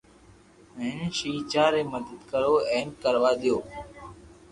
ھين شيجا ري مدد ڪرو ھين ڪروا ديئو